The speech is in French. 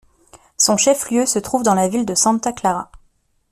Son chef-lieu se trouve dans la ville de Santa Clara.